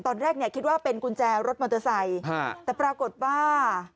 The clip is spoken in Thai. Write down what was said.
ตอนแรกคิดว่าเป็นกุญแจรถมอเตอร์ไซน์